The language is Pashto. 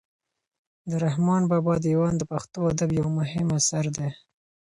د رحمان بابا دېوان د پښتو ادب یو مهم اثر دی.